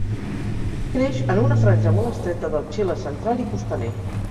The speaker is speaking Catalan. Creix en una franja molt estreta del Xile central i costaner.